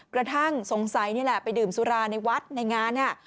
กระทั่งสงสัยนี่แหละไปดื่มสุราในวัดในงานเนี่ย